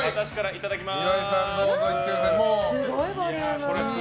いただきます。